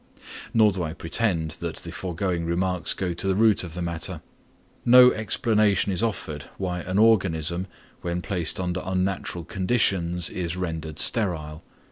Nor do I pretend that the foregoing remarks go to the root of the matter: no explanation is offered why an organism, when placed under unnatural conditions, is rendered sterile.